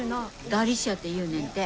ダリシアっていうねんて。